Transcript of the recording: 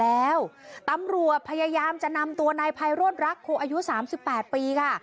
แล้วตำรวจพยายามจะนำตัวในพายรถรักโครอายุสามสิบแปดปีค่ะ